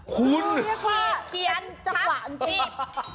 คุณขี้เคียนจักหวะอังกฤษ